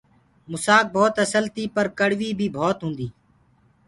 موسآ ڀوت اسل تي پر ڪڙويٚ بي ڀوت هوندي۔